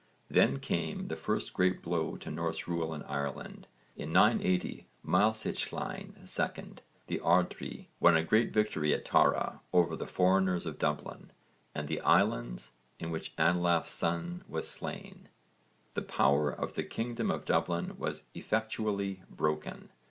Then came the first great blow to Norse rule in Ireland. In 980 Maelsechlainn II, the ardrí, won a great victory at Tara over the foreigners of Dublin and the Islands in which Anlaf's son was slain. The power of the kingdom of Dublin was effectually broken.